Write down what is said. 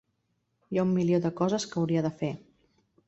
Hi ha un milió de coses que hauria de fer.